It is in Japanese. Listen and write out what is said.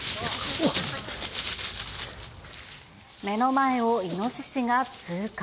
目の前をイノシシが通過。